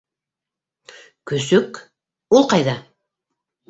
Көсөк... ул ҡайҙа?